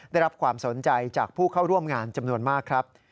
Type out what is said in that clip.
ได้รับความสนใจจากผู้เข้าร่วมงานจำนวนมากครับ